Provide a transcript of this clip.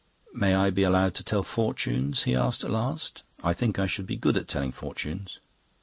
"May I be allowed to tell fortunes?" he asked at last. "I think I should be good at telling fortunes."